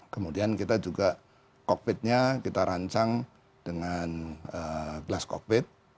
kemudian kita juga cockpitnya kita rancang dengan glass cockpit